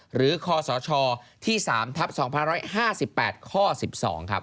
หรือคศที่๓ทัพ๒๑๕๘ข๑๒ครับ